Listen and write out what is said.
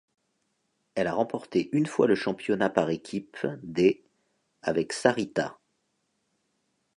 Elle a remporté une fois le championnat par équipe des ' avec Sarita.